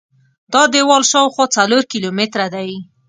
دا دیوال شاوخوا څلور کیلومتره دی.